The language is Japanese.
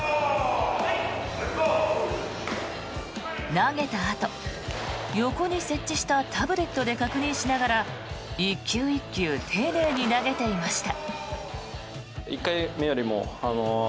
投げたあと、横に設置したタブレットで確認しながら１球１球丁寧に投げていました。